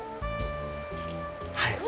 はい。